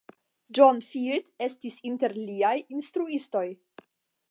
John Field estis inter liaj instruistoj.